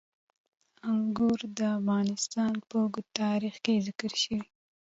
انګور د افغانستان په اوږده تاریخ کې ذکر شوي.